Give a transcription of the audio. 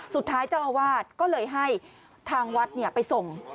สุดท้ายเจ้าวาดก็เลยให้ทางวัดไปส่ง